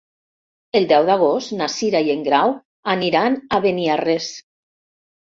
El deu d'agost na Cira i en Grau aniran a Beniarrés.